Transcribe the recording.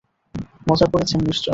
মজা করছেন নিশ্চয়।